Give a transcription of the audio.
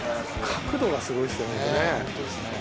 角度がすごいですよね。